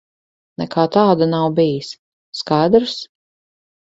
Nekā tāda nav bijis. Skaidrs?